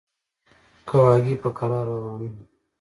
کواګې په کراره روان و.